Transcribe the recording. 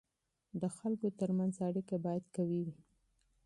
د خلکو ترمنځ اړیکه باید قوي وي.